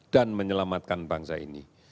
dan menyelamatkan bangsa ini